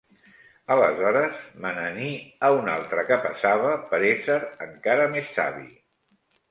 Aleshores me n'aní a un altre que passava per ésser encara més savi.